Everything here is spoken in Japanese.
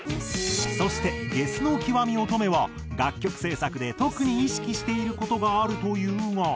そしてゲスの極み乙女。は楽曲制作で特に意識している事があるというが。